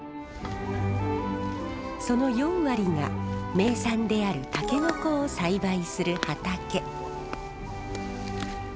その４割が名産であるタケノコを栽培する畑。